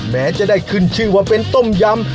แม้จะได้ขึ้นชื่อว่าเป็นต้มยำ